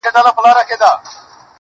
ما مي د هسک وطن له هسکو غرو غرور راوړئ,